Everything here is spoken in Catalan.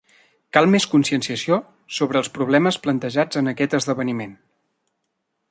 Cal més conscienciació sobre els problemes plantejats en aquest esdeveniment.